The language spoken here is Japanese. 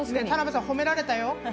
田辺さん、褒められたよ。